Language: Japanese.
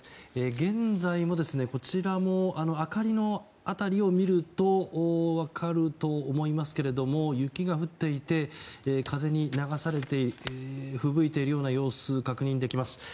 現在もこちらも明かりの辺りを見ると分かると思いますけれども雪が降っていて風に流されてふぶいているような様子確認できます。